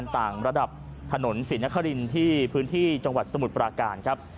ต่างระดับถนนศรีนครินที่พื้นที่จังหวัดสมุทรปราการครับ